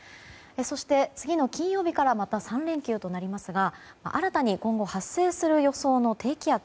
そして、次の金曜日からまた３連休となりますが新たに今後発生する予想の低気圧